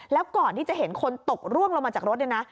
แล้วก่อนที่จะเห็นคนตกร่วงลงมาจากรถเนี่ยนะ